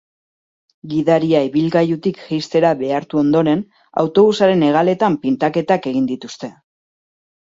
Gidaria ibilgailutik jaistera behartu ondoren autobusaren hegaletan pintaketak egin dituzte.